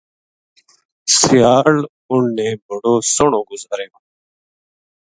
سیال اِن نے بڑو سوہنو گُزاریو